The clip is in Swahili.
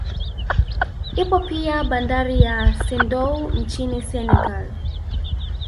Ipo pia bandari ya Sendou nchini Senegal